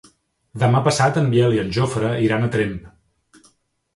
Demà passat en Biel i en Jofre iran a Tremp.